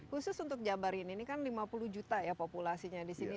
khusus untuk jabarin ini kan lima puluh juta ya populasinya di jawa barat